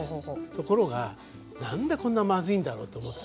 ところが何でこんなまずいんだろうと思ってたの。